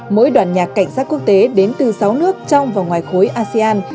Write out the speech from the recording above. mỗi đoàn nhạc cảnh sát quốc tế đến từ sáu nước trong và ngoài khối asean